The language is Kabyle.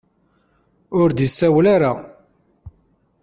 Ur d-isawal ara.